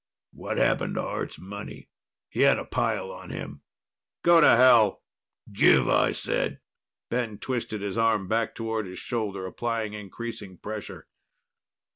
"What happened to Art's money? He had a pile on him." "Go to hell!" "Give, I said!" Ben twisted his arm back toward his shoulder, applying increasing pressure.